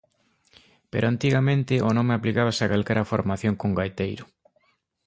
Pero antigamente o nome aplicábase a calquera formación con gaiteiro.